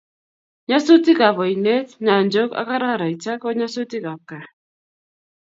Nyasutikab oinet nyanjok ak araraita ko nyasutikab kaa